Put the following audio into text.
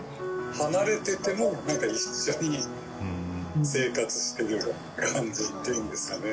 離れてても、なんか一緒に生活してるような感じっていうんですかね。